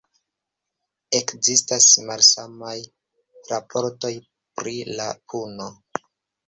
Ekzistas malsamaj raportoj pri la puno.